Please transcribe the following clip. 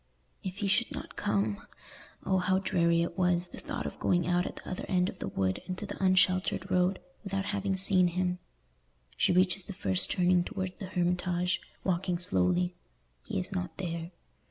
If he should not come! Oh, how dreary it was—the thought of going out at the other end of the wood, into the unsheltered road, without having seen him. She reaches the first turning towards the Hermitage, walking slowly—he is not there.